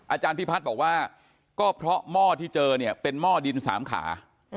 อาจารย์พิพัฒน์บอกว่าก็เพราะหม้อที่เจอเนี่ยเป็นหม้อดิน๓ขา